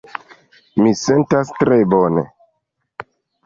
Mi sentas tre bone.